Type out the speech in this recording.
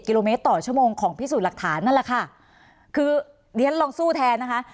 กิโลเมตรต่อชั่วโมงของพิสูจน์หลักฐานนั่นแหละค่ะคือเรียนลองสู้แทนนะคะ